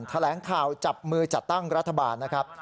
แถลงข่าวจับมือจัดตั้งรัฐบาลนะครับ